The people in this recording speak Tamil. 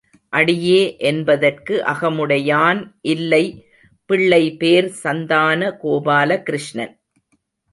அடியே என்பதற்கு அகமுடையான் இல்லை பிள்ளை பேர் சந்தான கோபால கிருஷ்ணன்.